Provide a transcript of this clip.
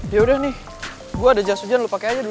yaudah nih gue ada jas hujan lo pake aja dulu